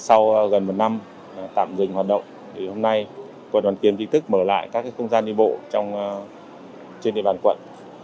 sau gần một năm tạm dừng hoạt động hôm nay quận hoàn kiếm thích thức mở lại các không gian đi bộ trên địa bàn quận